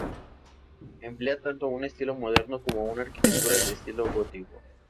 Emplea tanto un estilo moderno como una arquitectura de estilo gótico.